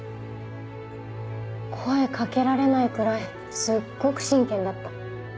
声掛けられないくらいすっごく真剣だった。